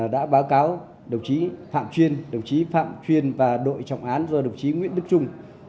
đã báo cáo đồng chí phạm chuyên đồng chí phạm chuyên và đội trọng án do đồng chí nguyễn đức trung